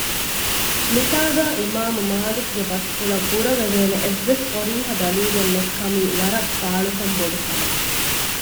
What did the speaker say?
މިތާގައި އިމާމުމާލިކުގެ ބަސްފުޅަށް ބުރަވެވޭނެ އެއްވެސް ޞަރީޙަ ދަލީލެއް ނެތްކަމީ ވަރަށް ފާޅުކަން ބޮޑުކަމެއް